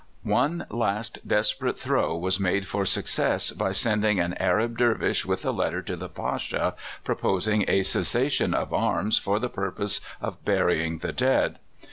One last desperate throw was made for success by sending an Arab dervish with a letter to the Pasha proposing a cessation of arms for the purpose of burying the dead.